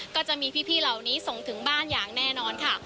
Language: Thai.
ก็จะมีพี่เหล่านี้ส่งถึงบ้านอย่างแน่นอนค่ะ